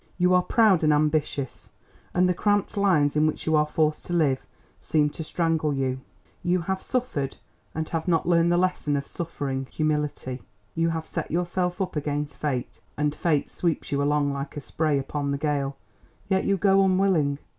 You are proud and ambitious, and the cramped lines in which you are forced to live seem to strangle you. You have suffered, and have not learned the lesson of suffering—humility. You have set yourself up against Fate, and Fate sweeps you along like spray upon the gale, yet you go unwilling.